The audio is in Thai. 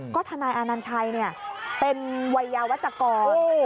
ก็ทนายอนัญชัยเป็นวัยยาวัชกร